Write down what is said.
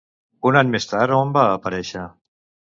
Un any més tard, a on va aparèixer?